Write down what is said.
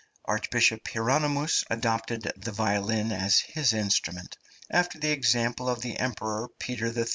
Archbishop Hieronymus adopted the violin as his instrument, after the example of the Emperor Peter III.